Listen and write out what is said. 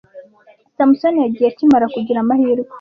Samusoni yagiye akimara kugira amahirwe.